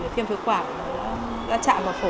thêm thứ quả đã chạm vào phổ